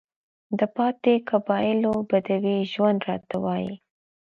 د پاتې قبايلو بدوى ژوند راته وايي،